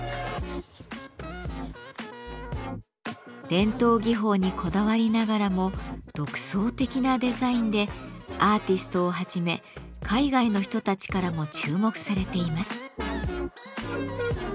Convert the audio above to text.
伝統技法にこだわりながらも独創的なデザインでアーティストをはじめ海外の人たちからも注目されています。